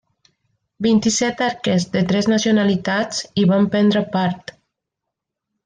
Vint-i-set arquers de tres nacionalitats hi van prendre part.